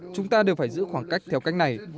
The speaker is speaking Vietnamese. chúng ta đều phải giữ khoảng cách theo cách này